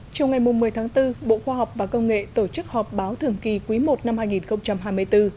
trong ngày một mươi tháng bốn bộ khoa học và công nghệ tổ chức họp báo thường kỳ quý i năm hai nghìn hai mươi bốn